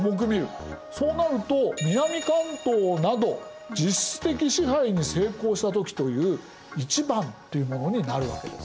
そうなると「南関東など実質的支配に成功したとき」という①というものになるわけです。